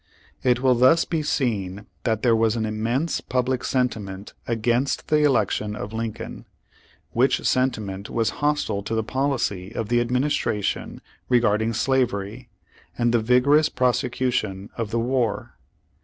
It will thus be seen that there was an immense public sentiment against the election of Lincoln, which sentiment was hostile to the policy of the administration regarding slavery, and the vigorous prosecution of the war.